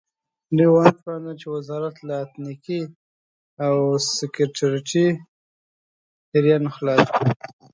دوی ونه توانېدل چې وزارت له اتنیکي او سکتریستي پیریانو خلاص کړي.